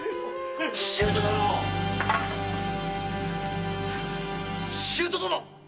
舅殿‼舅殿！